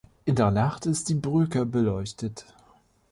In der Nacht ist die Brücke beleuchtet.